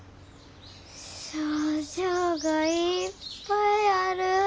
賞状がいっぱいある。